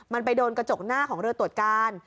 มันไปโดนกระจกหน้าของเรือตรวจการ